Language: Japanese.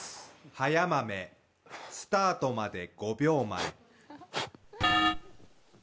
速豆スタートまで５秒前。